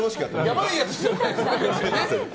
やばいやつじゃないですよね？